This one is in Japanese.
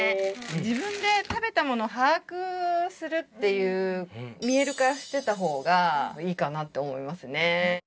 自分で食べたものを把握するっていう見える化してた方がいいかなって思いますね